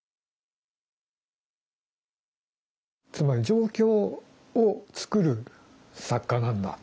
つまり状況を作る作家なんだ。